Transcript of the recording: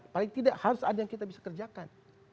paling tidak harus ada yang kita bisa kerjakan